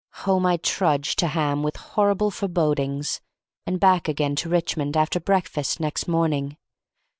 Home I trudged to Ham with horrible forebodings, and back again to Richmond after breakfast next morning.